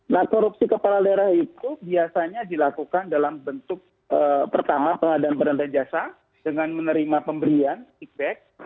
nah korupsi kepala daerah itu biasanya dilakukan dalam bentuk pertama pengadaan barang dan jasa dengan menerima pemberian feedback